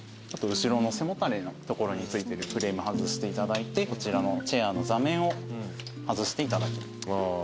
後ろの背もたれのところに付いてるフレーム外していただいてこちらのチェアの座面を外していただきます。